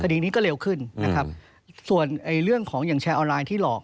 ดีนี้ก็เร็วขึ้นนะครับส่วนเรื่องของอย่างแชร์ออนไลน์ที่หลอก